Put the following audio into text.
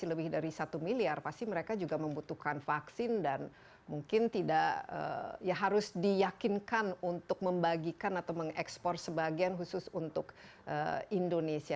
lebih dari satu miliar pasti mereka juga membutuhkan vaksin dan mungkin tidak ya harus diyakinkan untuk membagikan atau mengekspor sebagian khusus untuk indonesia